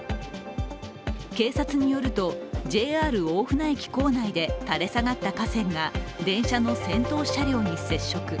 警察によると、ＪＲ大船駅構内で垂れ下がった架線が電車の先頭車両に接触。